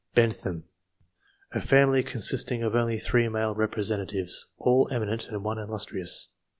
Bentham. — ^A family consisting of only 3 male representatives, all eminent, and one illustrious.